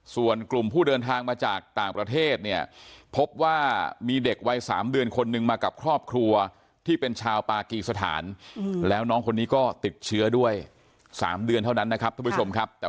ส่วนกลุ่มผู้เดินทางมาจากต่างประเทศเนี่ยพบว่ามีเด็กวัย๓เดือนคนนึงมากับครอบครัวที่เป็นชาวปากีสถานแล้วน้องคนนี้ก็ติดเชื้อด้วย๓เดือนเท่านั้นนะครับท่านผู้ชมครับ